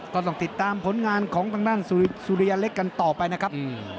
ก็ต้องติดตามผลงานของทางด้านสุริยเล็กกันต่อไปนะครับ